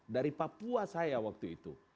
dari papua saya waktu itu